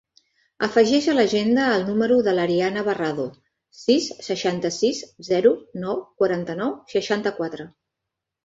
Afegeix a l'agenda el número de l'Ariana Barrado: sis, seixanta-sis, zero, nou, quaranta-nou, seixanta-quatre.